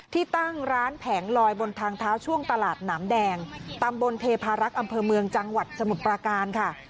ที่ตั้งร้านแผงลอยบนทางเท้าช่วงตลาดหนามแดงตำบลเทพารักษ์อำเภอเมืองจังหวัดสมุทรปราการค่ะ